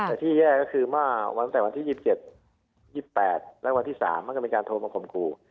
แต่ที่แย่ก็คือวันแต่วันที่๒๗๒๘และวันที่๓มันก็มีการโทรมงคมกู